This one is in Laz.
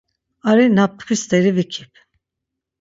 Ari na ptkvi steri vikip.